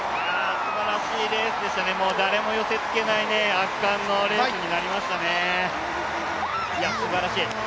すばらしいレースでしたね、誰も寄せつけない圧巻のレースに鳴りましたね。